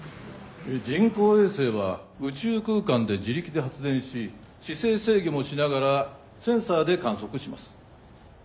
人工衛星は宇宙空間で自力で発電し姿勢制御もしながらセンサーで観測します。